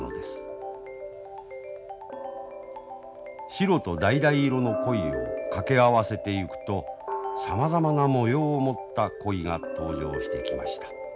白とだいだい色の鯉を掛け合わせていくとさまざまな模様を持った鯉が登場してきました。